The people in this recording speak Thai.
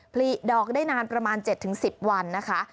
ผลิดอกได้นานประมาณ๗๑๐วันนะคะ